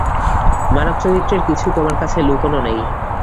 মানব-চরিত্রের কিছুই তোমার কাছে লুকোনো নেই।